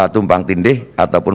tumpang tindih ataupun